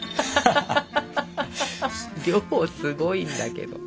量すごいんだけど。